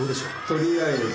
取りあえず。